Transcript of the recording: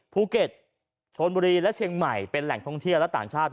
ภูเก็ตชนบุรีและเชียงใหม่เป็นแหล่งท่องเที่ยวและต่างชาติ